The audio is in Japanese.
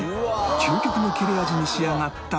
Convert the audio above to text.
究極の切れ味に仕上がった爪切り